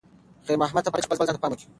خیر محمد ته پکار ده چې خپل ځان ته پام وکړي.